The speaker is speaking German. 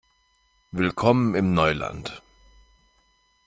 Willkommen im Neuland!